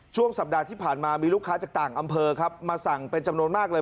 ช่วงสัปดาห์ที่ผ่านมามีลูกค้าจากต่างอำเภอครับมาสั่งเป็นจำนวนมากเลย